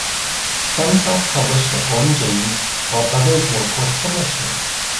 Some self-publish their own games while others work with publishers.